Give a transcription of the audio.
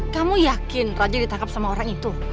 kamu yakin raja ditangkap sama orang itu